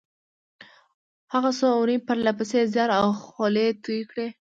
هغه څو اونۍ پرله پسې زيار او خولې تويې کړې.